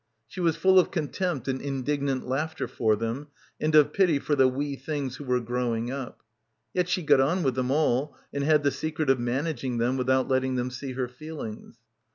She was full of contempt and indignant laughter for them, and of pity for the 'wee dungs' who were growing up. Yet she got on with them all and had the secret of managing them without let ting them see her feelings.